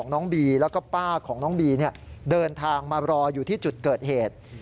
น้องบีเดินทางมารออยู่ที่จุดเกิดเหตุ